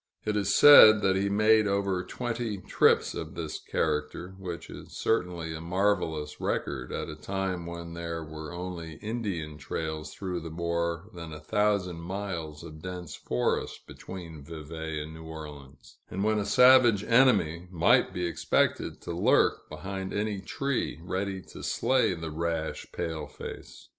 It is said that he made over twenty trips of this character, which is certainly a marvelous record at a time when there were only Indian trails through the more than a thousand miles of dense forest between Vevay and New Orleans, and when a savage enemy might be expected to lurk behind any tree, ready to slay the rash pale face.